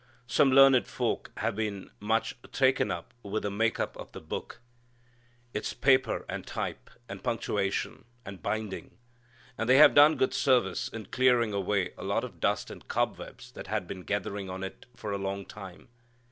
Some learned folk have been much taken up with the make up of the Book, its paper and type, and punctuation, and binding. And they have done good service in clearing away a lot of dust and cobwebs that had been gathering on it for a long time.